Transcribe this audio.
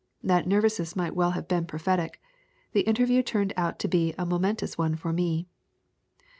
That nervousness might well have been prophetic. The interview turned out to be a momentous one for me.